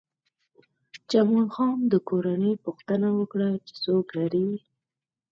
جمال خان د کورنۍ پوښتنه وکړه چې څوک لرې